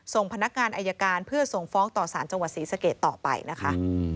พนักงานอายการเพื่อส่งฟ้องต่อสารจังหวัดศรีสะเกดต่อไปนะคะ